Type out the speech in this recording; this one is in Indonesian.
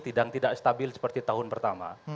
tidak stabil seperti tahun pertama